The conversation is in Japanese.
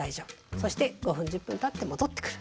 そして５分１０分たって戻ってくる。